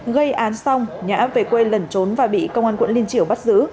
gây án xong nhã về quê lẩn trốn và bị công an quận liên triểu bắt giữ